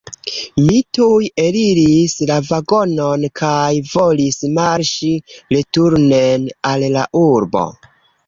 Mi tuj eliris la vagonon kaj volis marŝi returnen al la urbo.